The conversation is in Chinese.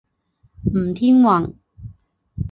吴天垣。